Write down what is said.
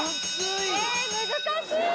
えー難しい！